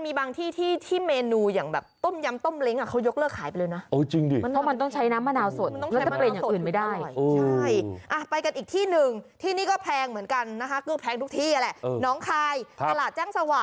มีบางที่ที่เมนูต้มยำต้มลิ้งเค้ายกเลือกขายไปเลยนะ